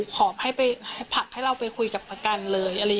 ขอให้ไปผลักให้เราไปคุยกับประกันเลย